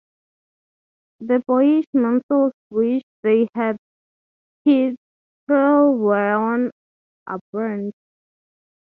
The boyish mantles which they had hitherto worn are burned.